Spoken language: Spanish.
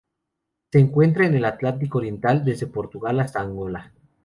Se encuentra en el Atlántico oriental: desde Portugal hasta Angola.